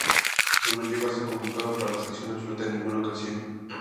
Pero no llegó a ser convocado para la selección absoluta en ninguna ocasión.